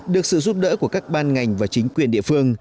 được sự giúp đỡ của các ban ngành và chính quyền địa phương